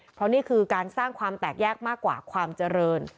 เพราะนี่คือการสร้างความแตกแยกมากกว่าความเจริญ